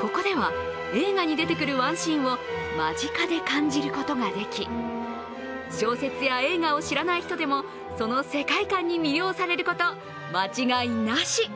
ここでは、映画に出てくるワンシーンを間近で感じることができ小説や映画を知らない人でもその世界観に魅了されること、間違いなし。